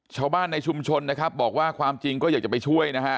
ชาวบ้านในชุมชนนะครับบอกว่าความจริงก็อยากจะไปช่วยนะฮะ